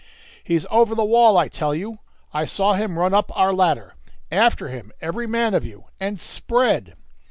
"He's over the wall, I tell you! I saw him run up our ladder. After him every man of you and spread!"